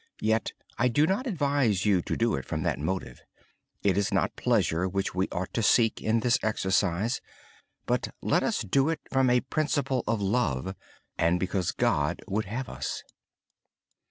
Yet I do not advise you to do it from that motive. It is not pleasure which we ought to seek in this exercise. Let us do it from a principle of love, and because it is God's will for us.